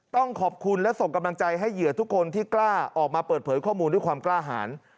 ต้องขอบคุณและส่งกำลังใจให้เหยื่อทุกคนที่กล้าออกมาเปิดเผยข้อมูลด้วยความกล้าหาร